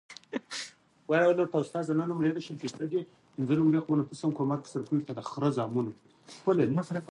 په افغانستان کې د تاریخ د پوهې لپاره ډېرې طبیعي منابع شته دي.